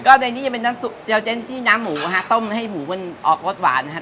ก็ในนี้จะเป็นน้ำยาเจนที่น้ำหมูฮะต้มให้หมูมันออกรสหวานนะฮะ